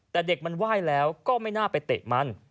แต่เด็กมันไหว้แล้วก็ไม่น่าไปเตะมัน